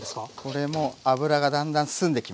これも脂がだんだん澄んできます。